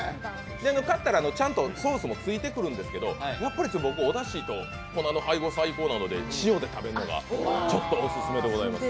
買ったらちゃんとソースもついてくるんですけどやっぱりおだしと粉の配合が最高なので塩で食べるのがオススメでございます。